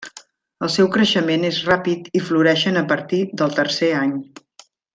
El seu creixement és ràpid i floreixen a partir del tercer any.